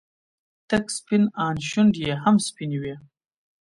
تک سپين ان شونډې يې هم سپينې وې.